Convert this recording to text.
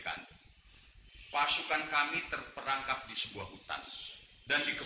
tapi lebih tambuhan dong